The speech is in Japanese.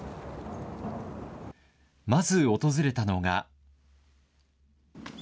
まず訪れたのが。